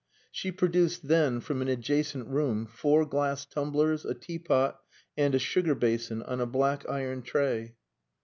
She produced then, from an adjacent room, four glass tumblers, a teapot, and a sugar basin, on a black iron tray.